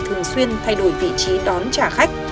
thường xuyên thay đổi vị trí đón trả khách